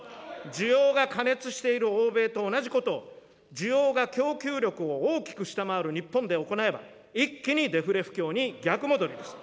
需要が過熱している欧米と同じことを、需要が供給力を大きく下回る日本で行えば、一気にデフレ不況に逆戻りします。